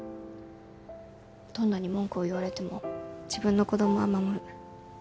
どんなに文句を言われても自分の子供は守る